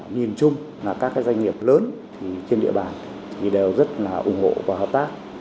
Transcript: nhìn chung là các doanh nghiệp lớn trên địa bàn đều rất ủng hộ và hợp tác